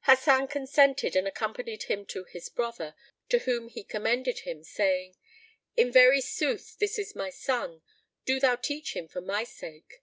Hasan consented and accompanied him to his brother, to whom he commended him, saying, "In very sooth this is my son; do thou teach him for my sake."